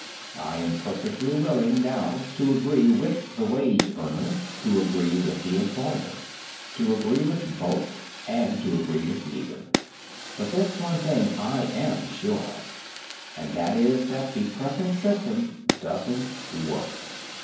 I am perfectly willing, now, to agree with the wage worker, to agree with the employer, to agree with both or to agree with neither. But this one thing I am sure of, and that is that the present system doesn't work.